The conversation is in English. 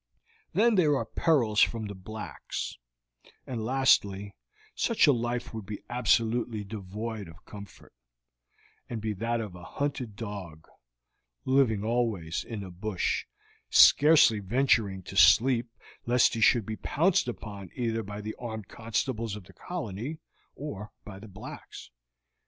Then there are perils from the blacks, and lastly, such a life would be absolutely devoid of comfort, and be that of a hunted dog; living always in the bush, scarcely venturing to sleep lest he should be pounced upon either by the armed constables of the colony or by the blacks.